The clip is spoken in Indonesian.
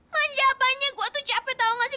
manja apanya gua tuh capek tau gak sih